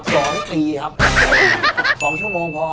๒ชั่วโมงพอ